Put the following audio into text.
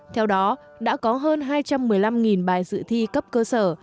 theo đó đã có hơn hai trăm một mươi năm bài dự thi cấp cơ sở